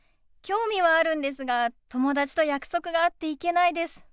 興味はあるんですが友達と約束があって行けないです。